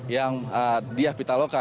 yang diah pitaloka